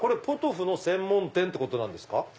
ポトフの専門店ってことですか？